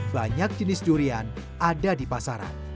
banyak jenis durian ada di pasaran